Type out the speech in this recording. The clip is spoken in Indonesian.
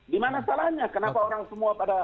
di mana salahnya kenapa orang semua pada